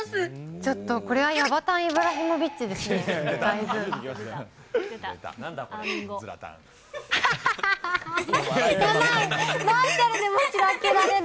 ちょっと、これはヤバタン・イブラヒモビッチですね、だいぶ。